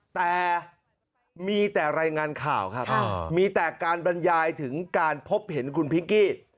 แต่มีแต่รายงานข่าวครับมีแต่การบรรยายถึงการพบเห็นคุณพิงกี้